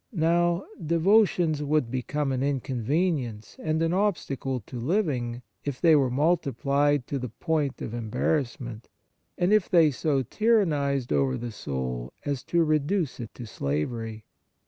Now, devo tions would become an inconvenience and an obstacle to living, if they were multiplied to the point of embarrassment, and if they so tyrannized over the soul as to reduce it to slavery.